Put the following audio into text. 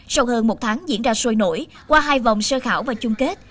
sau hơn một tháng diễn ra sôi nổi qua hai vòng sơ khảo và chung kết